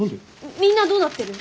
みんなどうなってる？